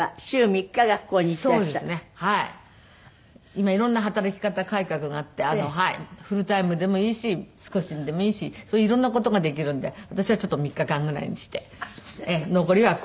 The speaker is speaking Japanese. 今色んな働き方改革があってフルタイムでもいいし少しでもいいしそういう色んな事ができるんで私はちょっと３日間ぐらいにして残りはこうまた。